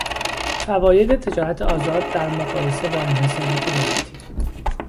فواید تجارت آزاد در مقایسه با انحصارات دولتی